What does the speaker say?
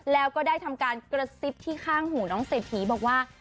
เราก็ได้ทำการกระซิบที่ข้างหู่น้องเสถีบ่าว่า